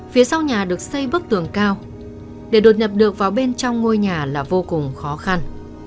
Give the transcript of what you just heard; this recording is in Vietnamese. phía sau nhà được xây bức tường cao để đột nhập được vào bên trong ngôi nhà là vô cùng khó khăn